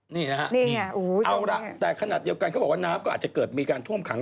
นี่นะฮะเอาล่ะแต่ขนาดเดียวกันเขาบอกว่าน้ำก็อาจจะเกิดมีการท่วมขัง